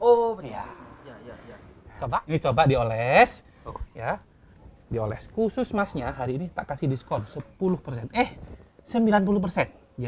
oh iya coba coba di oles ya di oles khusus masnya hari ini pak kasih diskon sepuluh eh sembilan puluh jadi sepuluh aja